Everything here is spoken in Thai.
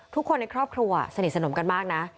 ทุกคนในครอบครัวสนิทสนมกันมากนะ